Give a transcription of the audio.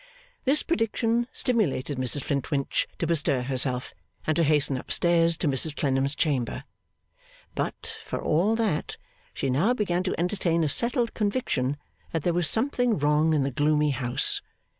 This prediction stimulated Mrs Flintwinch to bestir herself, and to hasten up stairs to Mrs Clennam's chamber. But, for all that, she now began to entertain a settled conviction that there was something wrong in the gloomy house.